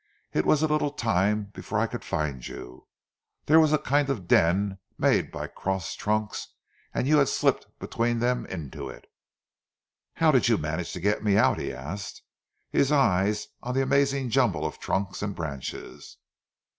"It was a little time before I could find you. There was a kind of den made by crossed trunks, and you had slipped between them into it." "How did you manage to get me out?" he asked, his eyes on the amazing jumble of trunks and branches.